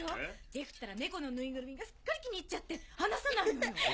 ジェフったら猫のぬいぐるみがすっかり気に入っちゃって離さないのよ。